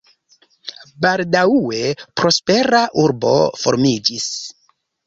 Baldaŭe prospera urbo formiĝis.